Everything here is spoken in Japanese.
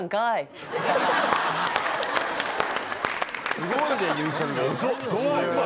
すごいねゆうちゃみ。